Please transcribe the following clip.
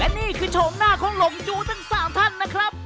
นี่คือโฉมหน้าของหลงจู้ทั้ง๓ท่านนะครับ